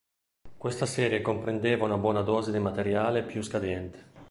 Questa serie comprendeva una buona dose di materiale più scadente.